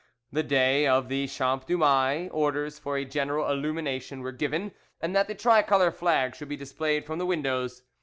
"The day of the Champ du Mai orders for a general illumination were given, and that the tricolour flag should be displayed from the windows.